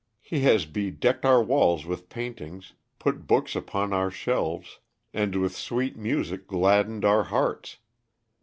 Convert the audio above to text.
He has bedecked our walls with paintings, put books upon our shelves, and with sweet music gladdened our hearts.